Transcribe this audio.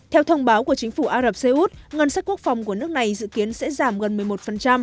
theo thông báo của chính phủ ả rập xê út ngân sách quốc phòng của nước này dự kiến sẽ giảm gần